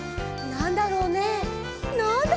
なんだろうね？